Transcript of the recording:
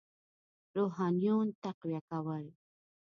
روحانیون تقویه کول.